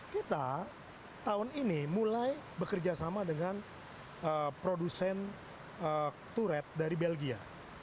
kita tahun ini mulai bekerjasama dengan produsen turret dari belgia